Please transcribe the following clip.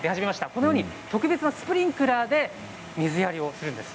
このように特別なスプリンクラーで水やりをするんです。